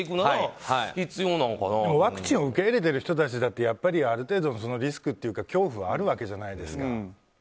でもワクチンを受け入れている人たちだってやっぱりある程度のリスクというか恐怖はあるわけじゃないですか。